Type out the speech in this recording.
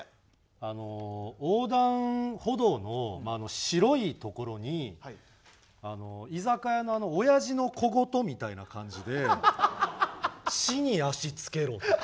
あの横断歩道の白いところに居酒屋の親父の小言みたいな感じで「地に足つけろ」みたいな。